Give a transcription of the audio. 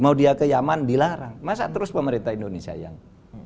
mau dia ke yaman dilarang